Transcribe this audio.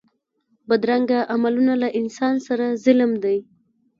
بدرنګه عملونه له انسانیت سره ظلم دی